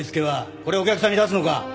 これお客さんに出すのか？